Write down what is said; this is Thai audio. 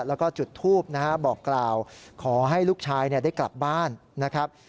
แล้วก็จุดทูบนะฮะบอกกล่าวขอให้ลูกชายได้กลับบ้านนะครับ